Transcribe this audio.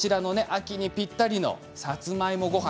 秋にぴったりのさつまいも御飯。